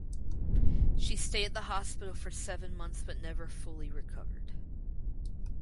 She stayed at the hospital for seven months but never fully recovered.